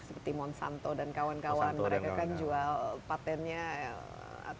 seperti monsanto dan kawan kawan mereka kan jual patentnya